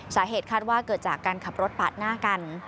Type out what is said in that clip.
สาเหตุคาดว่าเกิดจากการขับรถปาดหน้ากัน